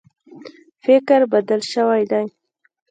فکر بدل شوی دی.